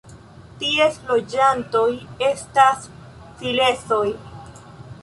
Ties loĝantoj estas silezoj.